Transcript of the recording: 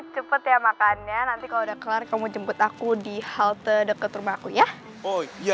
cepet ya makannya nanti kalau udah kelar kamu jemput aku di halte dekat rumahku ya oh iya